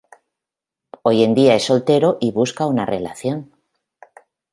Hoy en día es soltero y busca una relación.